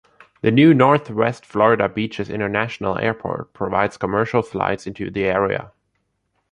The new Northwest Florida Beaches International Airport provides commercial flights into the area.